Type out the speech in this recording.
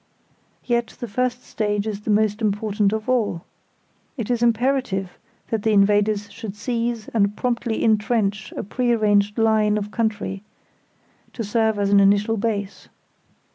Yet the first stage is the most important of all. It is imperative that the invaders should seize and promptly intrench a pre arranged line of country, to serve as an initial base.